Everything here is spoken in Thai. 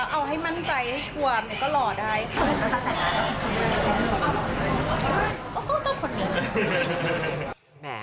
เอาให้มั่นใจให้ชัวร์ก็หล่อได้